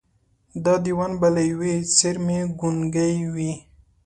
دا دېوان به له ېوې څېرمې ګونګي وي